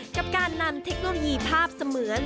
กับการนำเทคโนโลยีภาพเสมือน